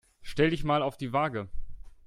Stell dich mal auf die Waage.